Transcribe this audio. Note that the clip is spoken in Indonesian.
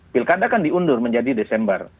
pilkada kan diundur menjadi desember